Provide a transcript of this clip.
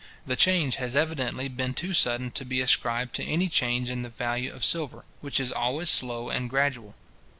The change has evidently been too sudden to be ascribed to any change in the value of silver, which is always slow and gradual.